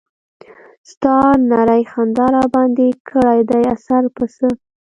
ستا نرۍ خندا راباندې کړے دے اثر پۀ څۀ